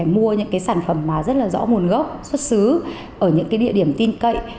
mua những sản phẩm rất là rõ nguồn gốc xuất xứ ở những địa điểm tin cậy